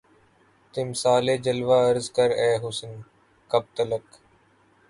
تمثالِ جلوہ عرض کر اے حسن! کب تلک